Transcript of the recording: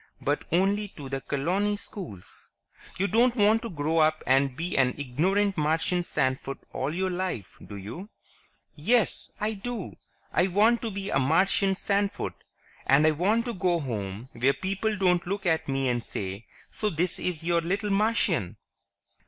"But only to the colony schools. You don't want to grow up and be an ignorant Martian sandfoot all your life, do you?" "Yes, I do! I want to be a Martian sandfoot. And I want to go home where people don't look at me and say, 'So this is your little Martian!'"